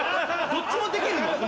どっちもできるの？